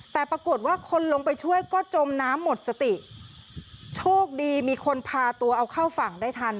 แต่ปรากฏว่าคนลงไปช่วยก็จมน้ำหมดสติโชคดีมีคนพาตัวเอาเข้าฝั่งได้ทัน